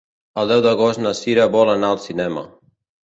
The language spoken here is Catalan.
El deu d'agost na Sira vol anar al cinema.